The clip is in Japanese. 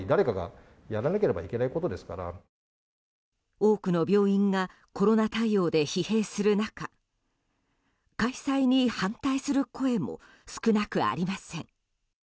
多くの病院がコロナ対応で疲弊する中開催に反対する声も少なくありません。